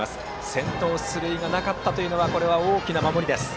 先頭出塁がなかったというのは大きな守りです。